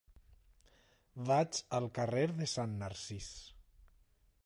Vaig al carrer de Sant Narcís.